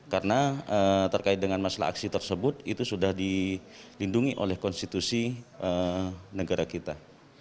karena terkait dengan masalah aksi tersebut itu sudah dilindungi oleh konstitusi negara kita